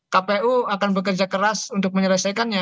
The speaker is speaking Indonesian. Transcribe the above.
kpu akan bekerja keras untuk menyelesaikannya